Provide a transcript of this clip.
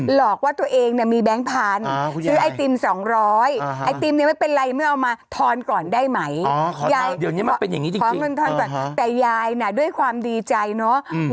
หลอกว่าตัวเองมีแบงค์พันธุ์ซื้อไอติม๒๐๐